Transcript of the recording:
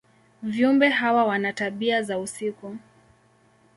Viumbe hawa wana tabia za usiku.